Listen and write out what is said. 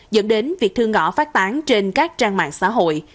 dẫn đến việc thư ngõ phát tán trên các trang mạng xã hội